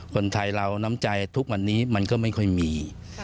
คนไทยเราน้ำใจทุกวันนี้มันก็ไม่ค่อยมี